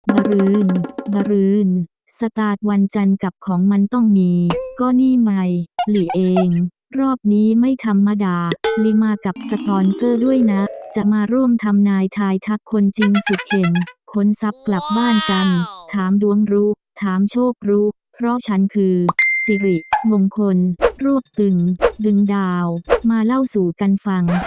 บรินบรินสตาร์ทวันจันทร์กับของมันต้องมีก็นี่ใหม่หลีเองรอบนี้ไม่ธรรมดาหลีมากับสปอนเซอร์ด้วยนะจะมาร่วมทำนายทายทักคนจริงสุดเห็นค้นทรัพย์กลับบ้านกันถามดวงรู้ถามโชครู้เพราะฉันคือสิริมงคลรวบตึงดึงดาวมาเล่าสู่กันฟัง